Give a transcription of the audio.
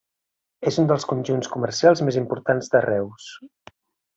És un dels conjunts comercials més importants de Reus.